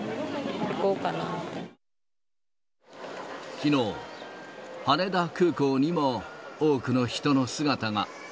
きのう、羽田空港にも多くの人の姿が。